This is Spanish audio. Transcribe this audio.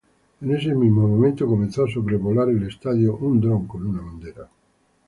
En ese mismo momento comenzó a sobrevolar el estadio un dron con una bandera.